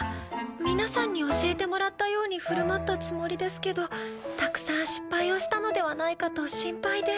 皆さんに教えてもらったように振る舞ったつもりですけどたくさん失敗をしたのではないかと心配で。